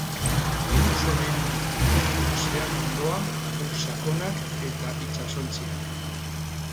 Hiru solairu ditu, ozeano hondoa, ur sakonak eta itsasontziak.